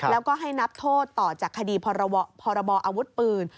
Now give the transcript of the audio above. แล้วก็ให้นับโทษต่อจากคดีพรบออาวุธปืน